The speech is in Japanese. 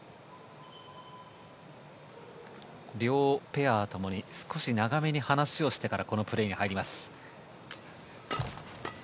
両ペア共に少し長めに話をしてからこのプレーに入ります。